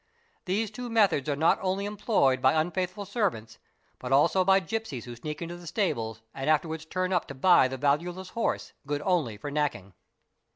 'These two methods are not only employed by unfaithful servants, but also by gipsies who sneak into the stables and afterwards turn up to buy the valueless horse, good only for knacking.